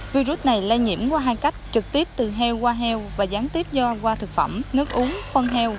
virus này lây nhiễm qua hai cách trực tiếp từ heo qua heo và gián tiếp do qua thực phẩm nước uống phân heo